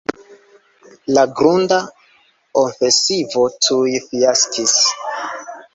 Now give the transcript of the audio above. La grunda ofensivo tuj fiaskis.